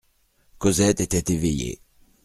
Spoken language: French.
Cosette était éveillée.